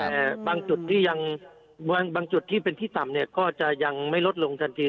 แต่บางจุดที่ยังบางจุดที่เป็นที่ต่ำเนี่ยก็จะยังไม่ลดลงทันที